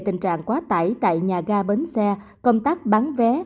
tình trạng quá tải tại nhà ga bến xe công tác bán vé